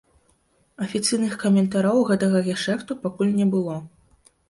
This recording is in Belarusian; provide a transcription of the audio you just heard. Афіцыйных каментараў гэтага гешэфту пакуль не было.